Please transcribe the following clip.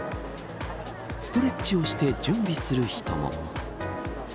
ストレッチをして準備する人も。